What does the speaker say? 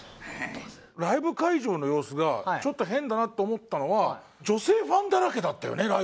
ライブ会場の様子がちょっと変だなと思ったのは女性ファンだらけだったよね